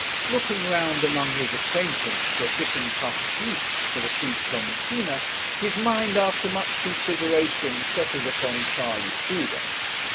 Looking round among his acquaintance for a fitting parti for the sweet Clementina, his mind, after much consideration, settled upon Charley Tudor.